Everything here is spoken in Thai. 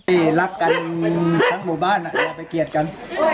ก่อนที่รักกันทั้งหมู่บ้านไปเกียจกัน